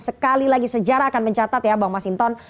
sekali lagi sejarah akan mencatat ya bang masinton